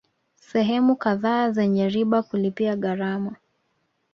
Sehemu kadhaa zenya riba kulipia gharama